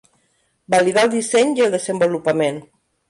Validar el disseny i el desenvolupament.